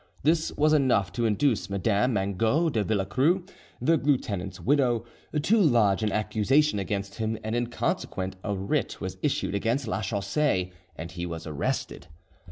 This was enough to induce Madame Mangot de Villarceaux, the lieutenant's widow, to lodge an accusation against him, and in consequence a writ was issued against Lachaussee, and he was arrested.